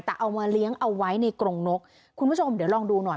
แต่เอามาเลี้ยงเอาไว้ในกรงนกคุณผู้ชมเดี๋ยวลองดูหน่อย